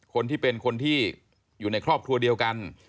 คนที่เป็นคนที่อยู่ในครอบครัวเดียวกัน